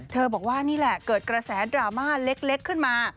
บอกว่านี่แหละเกิดกระแสดราม่าเล็กขึ้นมา